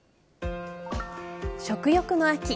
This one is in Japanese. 食欲の秋。